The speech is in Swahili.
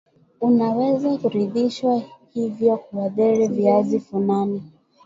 Unaweza kurithishwa hivyo huathiri vizazi fulani